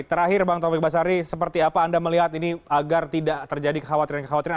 terakhir bang taufik basari seperti apa anda melihat ini agar tidak terjadi kekhawatiran kekhawatiran